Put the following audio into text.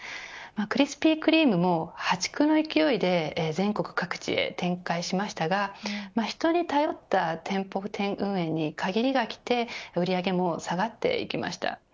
クリスピー・クリームも破竹の勢いで全国各地で展開しましたが人に頼った店舗運営に限りがきて売上も下がっていきました。